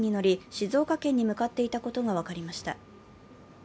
静岡県に向かっていたことが分かりました。